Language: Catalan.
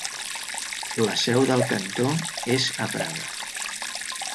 La seu del cantó és a Prada.